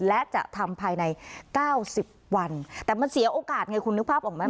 และจะทำภายใน๙๐วันแต่มันเสียโอกาสไงคุณนึกภาพออกไหม